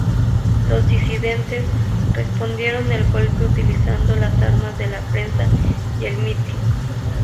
Los disidentes respondieron el golpe utilizando las armas de la prensa y el meeting.